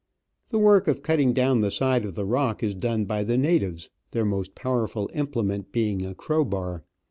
The work of cutting down the side of the rock is done by the natives, their most powerful implement being a crowbar.